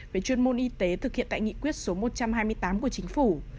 về chuyên môn y tế thực hiện tại nghị quyết số một trăm hai mươi tám của chính phủ